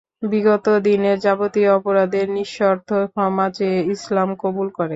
বিগত দিনের যাবতীয় অপরাধের নিঃশর্ত ক্ষমা চেয়ে ইসলাম কবুল করে।